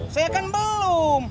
saya kan belum